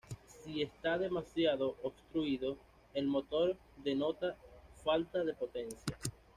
Si está demasiado obstruido, el motor denota falta de potencia.